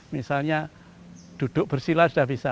misalnya duduk bersilah sudah bisa